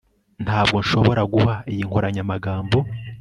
ntabwo nshobora guha iyi nkoranyamagambo